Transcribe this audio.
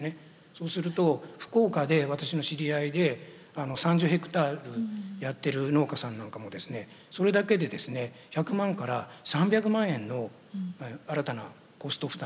そうすると福岡で私の知り合いで３０ヘクタールやってる農家さんなんかもですねそれだけでですね１００万から３００万円の新たなコスト負担になりますので。